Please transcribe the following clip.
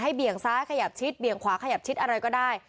เบี่ยงซ้ายขยับชิดเบี่ยงขวาขยับชิดอะไรก็ได้